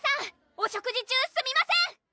お食事中すみません！